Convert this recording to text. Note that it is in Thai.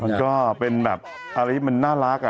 มันก็เป็นแบบมันน่าลัก